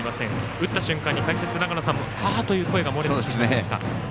打った瞬間に解説の長野さんからもああという声がもれていました。